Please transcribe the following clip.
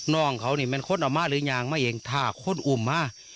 น้องเขานี่มันค้นออกมาหรือยังมาเองถ้าคนอุ่มมา